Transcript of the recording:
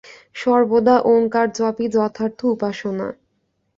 সর্বদা ওঙ্কার জপই যথার্থ উপাসনা।